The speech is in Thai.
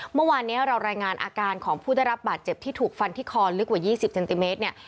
เมื่อวานนี้เรารายงานอาการของผู้ได้รับบาดเจ็บที่ถูกฟันที่คอลึกกว่า๒๐เซนติเมตรเนี่ย